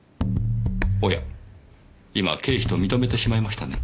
おや今経費と認めてしまいましたね？